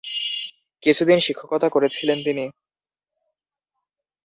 কিছুদিন শিক্ষকতা করেছিলেন তিনি।